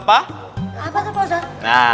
apa tuh ustadz